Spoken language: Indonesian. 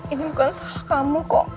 ini bukan salah kamu